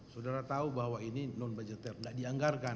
saudara tahu bahwa ini non budgeter tidak dianggarkan